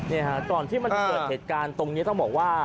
ก่อนที่มันเกิดเหตุการณ์ตรงนี้ต้องบอกว่า